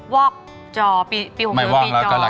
วอกจอปี๖๐ปี๖๐ไม่วอกแล้วก็ละกา